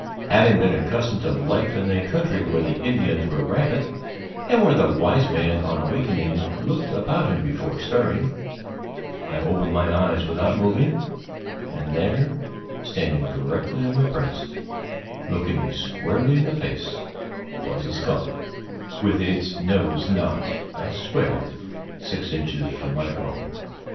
Having been accustomed to life in a country where the Indians were rampant, and where the wise man on awakening looked about him before stirring, I opened my eyes without moving, and there, standing directly on my breast, looking me squarely in the face, was a skunk, with its nose not, I swear, six inches from my own.